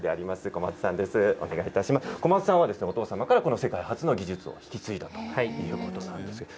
小松さんは、お父様からこの世界初の技術を引き継いだということなんです。